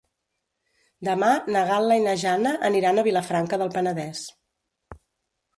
Demà na Gal·la i na Jana aniran a Vilafranca del Penedès.